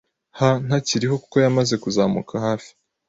h ntakiriho kuko yamaze kuzamuka hafi